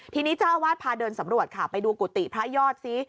ทีนี้เจ้าอาวาสพาเดินสำรวจค่ะไปดูกุฏิพระยอดซิ